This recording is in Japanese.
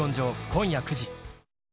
今夜９時。